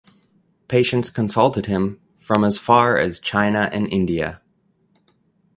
Patients consulted him from as far as China and India.